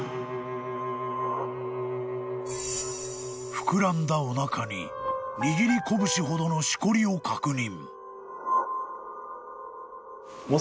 ［膨らんだおなかに握り拳ほどのしこりを確認］